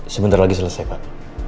sebentar lagi selesai pak